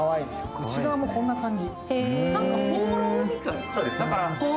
内側もこんな感じ。